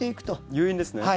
誘引ですね。